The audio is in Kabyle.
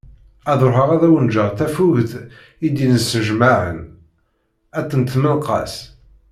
Ad ruḥeγ ad awen-ğğeγ tafugt i d yesnejmaԑen at n tmenqas.